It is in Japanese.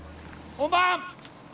・本番！